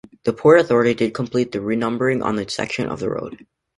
The Port Authority did complete the renumbering on its section of the road.